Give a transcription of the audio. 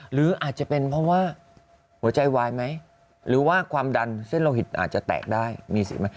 หรืออาจจะเป็นเพราะว่าหัวใจวายไหมหรือว่าความดันเส้นโลหิตอาจจะแตกได้มีสิทธิ์ไหม